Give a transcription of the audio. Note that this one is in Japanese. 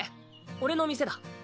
俺の店だ。